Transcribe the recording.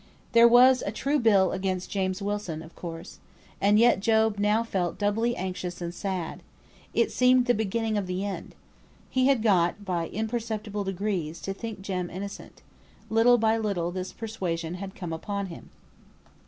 There was a true bill against James Wilson. Of course. And yet Job felt now doubly anxious and sad. It seemed the beginning of the end. He had got, by imperceptible degrees, to think Jem innocent. Little by little this persuasion had come upon him.